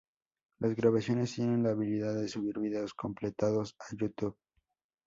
Las grabaciones tienen la habilidad de subir vídeos completados a YouTube.